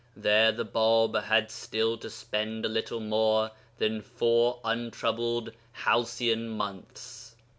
There the Bāb had still to spend a little more than four untroubled halcyon months.